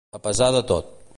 A pesar de tot.